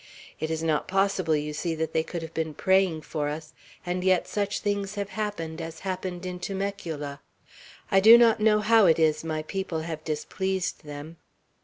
It is not possible, you see, that they could have been praying for us, and yet such things have happened, as happened in Temecula. I do not know how it is my people have displeased them."